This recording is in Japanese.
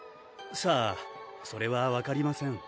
さぁそれは分かりません